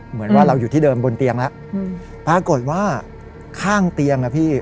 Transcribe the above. เหมือนว่าเราอยู่ที่เดิมบนเตียงแล้วปรากฏว่าข้างเตียงอ่ะพี่